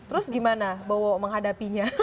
terus gimana bowo menghadapinya